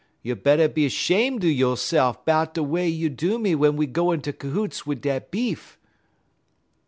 You better be 'shame' yo'se'f 'bout de way you do me w'en we go inter cahoots wid dat beef.'